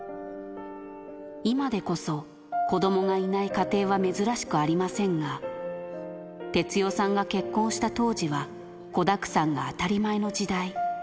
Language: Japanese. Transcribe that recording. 今でこそ子どもがいない家庭は珍しくありませんが、哲代さんが結婚した当時は、子だくさんが当たり前の時代。